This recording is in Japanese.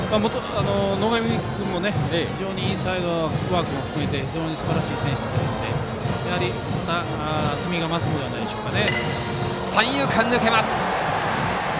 野上君もインサイドワークも含めて非常にすばらしい選手ですので厚みが増すんじゃないでしょうか。